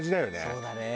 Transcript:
そうだね。